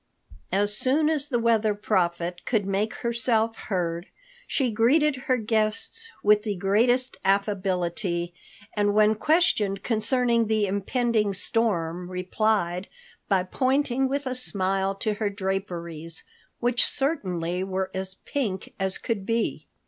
As soon as the Weather Prophet could make herself heard, she greeted her guests with the greatest affability, and when questioned concerning the impending storm replied by pointing with a smile to her draperies, which certainly were as pink as could be.